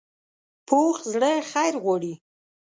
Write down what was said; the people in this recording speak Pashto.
پوخ زړه خیر غواړي